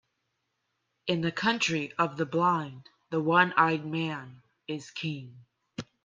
In the country of the blind, the one-eyed man is king.